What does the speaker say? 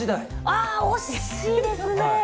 ああ、惜しいですね。